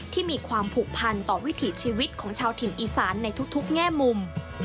ที่มีความผูกพันต่อวิถีชีวิตของชาวถิ่นอีสานในทุกแง่มุม